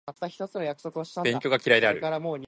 勉強が嫌いである